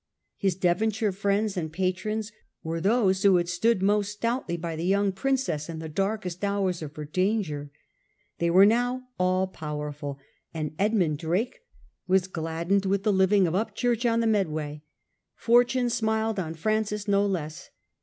His Devonshire friends and patrons were those who had stood most stoutly by the young princess in the darkest hours of her danger. They were now all powerful, and Edmund Drake was gladdened with the living of Upchurch on the Medway. Fortune smiled on Francis no less.